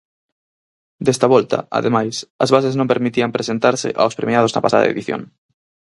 Desta volta, ademais, as bases non permitían presentarse aos premiados na pasada edición.